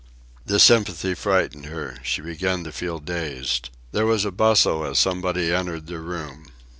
This sympathy frightened her. She began to feel dazed. There was a bustle as somebody entered the room.